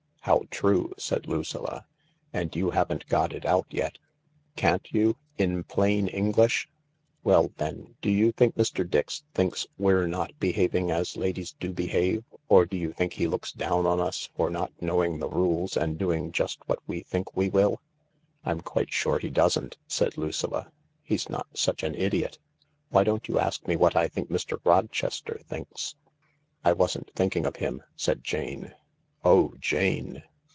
" How true !" said Lucilla. " And you haven't got it out yet. Can't you? In plain English?" " Well, then, do you think Mr. Dix thinks we're not be having as ladies do behave, or do you think he looks down on us for not knowing the rules and doing just what we think we will ?"" I'm quite sure he doesn't," said Lucilla ;" he's not such an idiot. Why don't you ask me what I think Mr. Rochester thinks ?"" I wasn't thinking of him," said Jane. (Oh, Jane